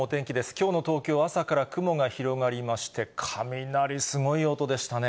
きょうの東京は朝から雲が広がりまして、雷、すごい音でしたね。